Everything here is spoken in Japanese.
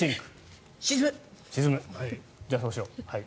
じゃあそうしよう。